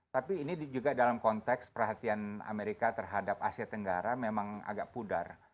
tapi ini juga dalam konteks perhatian amerika terhadap asia tenggara memang agak pudar